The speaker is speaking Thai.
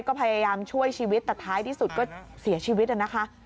ก็พยายามช่วยชีวิตแต่ท้ายที่สุดก็เสียชีวิตนะคะ